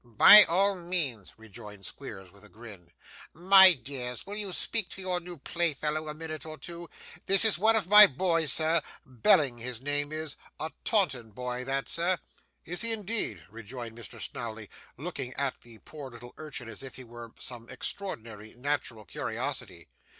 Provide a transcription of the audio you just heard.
'By all means,' rejoined Squeers with a grin. 'My dears, will you speak to your new playfellow a minute or two? That is one of my boys, sir. Belling his name is, a Taunton boy that, sir.' 'Is he, indeed?' rejoined Mr. Snawley, looking at the poor little urchin as if he were some extraordinary natural curiosity.